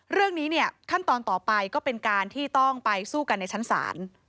เรื่องนี้เนี่ยขั้นตอนต่อไปก็เป็นการที่ต้องไปสู้กันในชั้นศาล